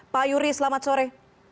pak yury selamat sore